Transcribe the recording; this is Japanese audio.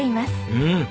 うん。